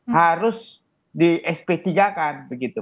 harus di sp tiga kan begitu